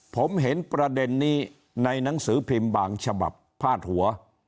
ผมเห็นประเด็นนี้ในหนังสือพิมพ์บางฉบับพาดหัว